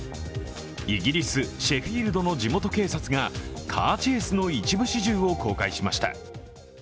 イギリス・シェフィールドの地元警察がカーチェイスの一部始終を公開しました。